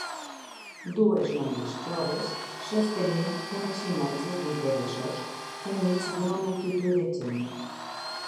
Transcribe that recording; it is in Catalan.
Dues noies joves sostenint unes imatges d'un peresós enmig d'una multitud de gent.